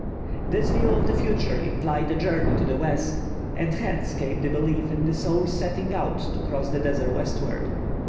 This view of the future implied a journey to the west, and hence came the belief in the soul setting out to cross the desert westward.